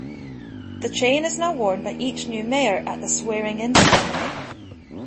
The chain is now worn by each new mayor at the swearing-in ceremony.